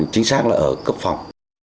chính xác là ở cấp phòng